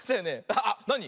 あっなに？